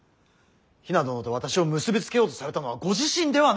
比奈殿と私を結び付けようとされたのはご自身ではないですか。